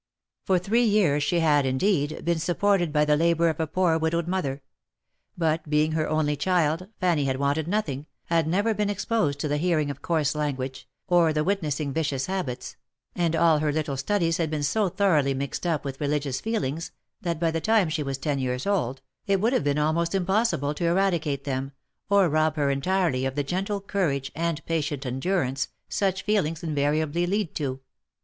For three years she had, indeed, been supported by the labour of a poor widowed mother ; but being her only child, Fanny had wanted nothing, had never been exposed to the hearing of coarse language, or the witnessing vicious habits, and all her little studies had been so thoroughly mixed up with religious feel ings, that by the time she was ten years old, it would have been almost impossible to eradicate them, or rob her entirely of the gentle courage, and patient endurance, such feelings invariably lead to.